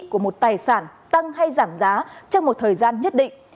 của một tài sản tăng hay giảm giá trong một thời gian nhất định